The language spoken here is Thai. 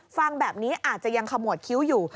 ฟังแบบนี้อาจจะยังขมวดคิ้วอยู่